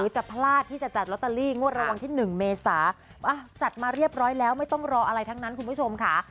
จะพลาดที่จะจัดลอตเตอรี่งวดรางวัลที่๑เมษาจัดมาเรียบร้อยแล้วไม่ต้องรออะไรทั้งนั้นคุณผู้ชมค่ะ